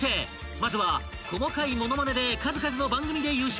［まずは細かいモノマネで数々の番組で優勝］